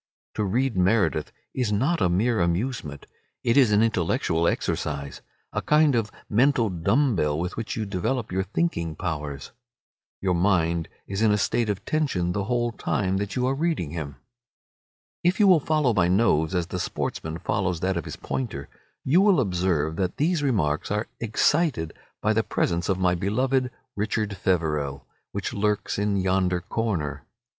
To read Meredith is not a mere amusement; it is an intellectual exercise, a kind of mental dumb bell with which you develop your thinking powers. Your mind is in a state of tension the whole time that you are reading him. If you will follow my nose as the sportsman follows that of his pointer, you will observe that these remarks are excited by the presence of my beloved "Richard Feverel," which lurks in yonder corner.